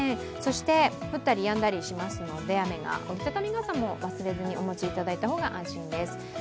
雨が降ったりやんだしますので、折り畳み傘も忘れずにお持ちいただいた方が安心です。